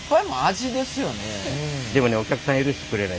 でもねお客さんは許してくれない。